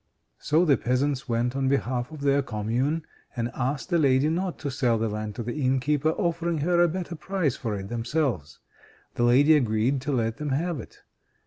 So the peasants went on behalf of their Commune, and asked the lady not to sell the land to the innkeeper; offering her a better price for it themselves. The lady agreed to let them have it.